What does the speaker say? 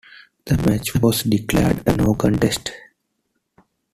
The match was declared a no contest.